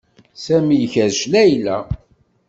Sami ikerrec Layla.